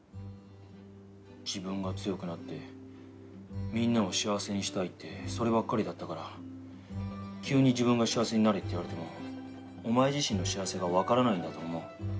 自分が強くなってみんなを幸せにしたいってそればっかりだったから急に自分が幸せになれって言われてもお前自身の幸せがわからないんだと思う。